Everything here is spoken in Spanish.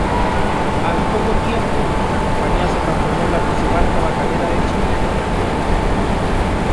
Al poco tiempo, la Compañía se transformó en la principal tabacalera de Chile.